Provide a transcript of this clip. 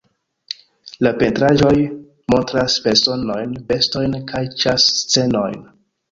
La pentraĵoj montras personojn, bestojn kaj ĉas-scenojn.